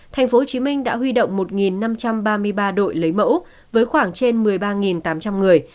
tp hcm đã huy động một năm trăm ba mươi ba đội lấy mẫu với khoảng trên một mươi ba tám trăm linh người